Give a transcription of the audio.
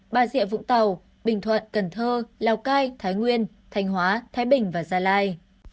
ba diệ vũng tàu bình thuận cần thơ lào cai thái nguyên thành hóa thái bình và gia lai